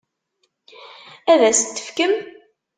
Ad as-t-tefkem?